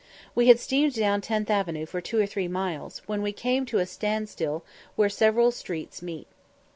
We had steamed down Tenth Avenue for two or three miles, when we came to a standstill where several streets met.